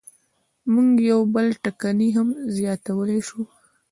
موږ یو بل ټکی هم زیاتولی شو.